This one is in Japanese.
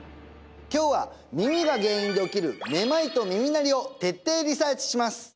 今日は耳が原因で起きる「めまい」と「耳鳴り」を徹底リサーチします！